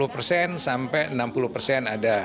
lima puluh persen sampai enam puluh persen ada